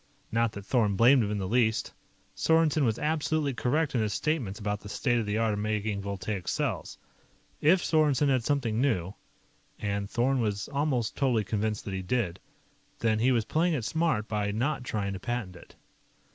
Not that Thorn blamed him in the least. Sorensen was absolutely correct in his statements about the state of the art of making voltaic cells. If Sorensen had something new and Thorn was almost totally convinced that he did then he was playing it smart by not trying to patent it.